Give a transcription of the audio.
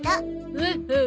ほうほう。